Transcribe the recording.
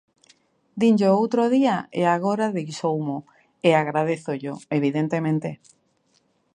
Dinllo o outro día e agora deixoumo, e agradézollo, evidentemente.